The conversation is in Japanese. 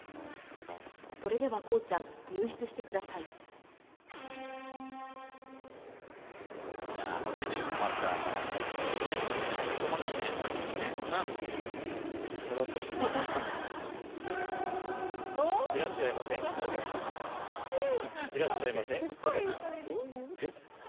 それではこうちゃん入室してくださいいやホテルに泊まったらもう快適でねどうしようもないねオリバーくんねうんいらっしゃいませお客様えっ？